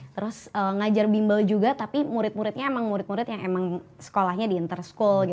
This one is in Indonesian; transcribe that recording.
terus ngajar bimbel juga tapi murid muridnya emang murid murid yang emang sekolahnya di interskul